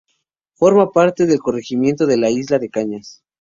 Forma parte del corregimiento de Isla de Cañas.